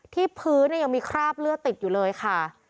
ที่พื้นยังมีคราบเลือดติดอยู่เลยค่ะ